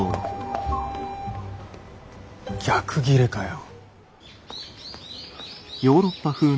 逆ギレかよ。